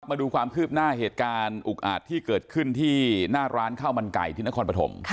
มาดูความคืบหน้าเหตุการณ์อุกอาจที่เกิดขึ้นที่หน้าร้านข้าวมันไก่ที่นครปฐม